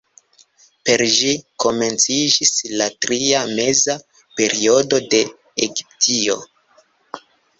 Per ĝi komenciĝis la Tria Meza Periodo de Egiptio.